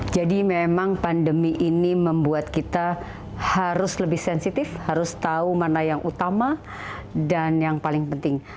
jadi memang pandemi ini membuat kita harus lebih sensitif harus tahu mana yang utama dan yang paling penting